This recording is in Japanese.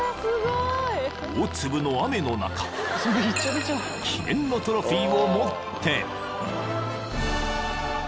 ［大粒の雨の中記念のトロフィーを持って］